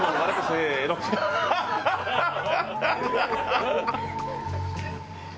ハハハハ！